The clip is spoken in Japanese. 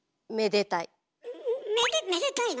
めでめでたいの？